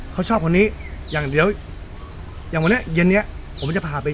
เขาชอบคนนี้อย่างเดียวอย่างวันนี้เย็นเนี้ยผมจะพาไป